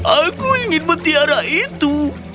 aku ingin petiara itu